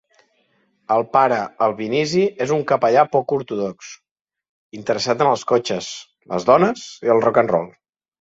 El pare Albinizi és un capellà poc ortodox, interessat en els cotxes, les dones i el rock and roll.